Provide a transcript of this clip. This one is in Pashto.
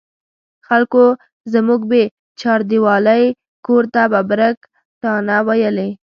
خلکو زموږ بې چاردیوالۍ کور ته ببرک تاڼه ویلې.